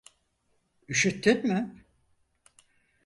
Üşüttün mü?